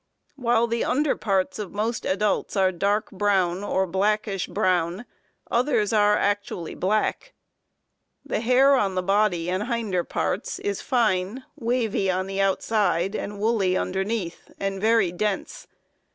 While the under parts of most adults are dark brown or blackish brown, others are actually black. The hair on the body and hinder parts is fine, wavy on the outside, and woolly underneath, and very dense.